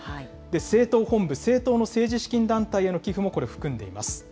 政党本部、政党の政治資金団体への寄付もこれ、含んでいます。